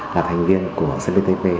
là thành viên của cp tpp